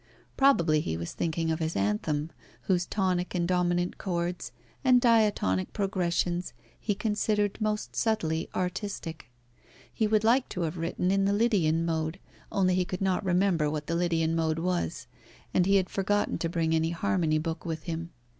Probably he was thinking of his anthem, whose tonic and dominant chords, and diatonic progressions, he considered most subtly artistic. He would like to have written in the Lydian mode, only he could not remember what the Lydian mode was, and he had forgotten to bring any harmony book with him.